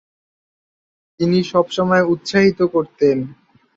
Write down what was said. তিনি সব সময় উৎসাহিত করতেন।